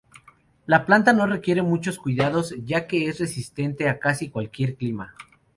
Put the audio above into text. La planta no requiere muchos cuidados ya que es resistente a casi cualquier clima.